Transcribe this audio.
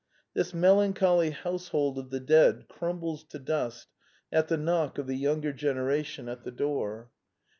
This melancholy household of the dead crum bles to dust at the knock of the younger genera tion at the door.